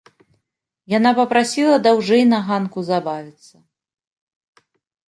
Яна папрасіла даўжэй на ганку забавіцца.